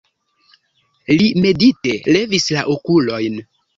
Li medite levis la okulojn.